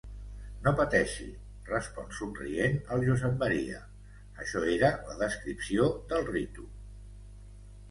No pateixi –respon somrient el Josep Maria–, això era la descripció del ritu.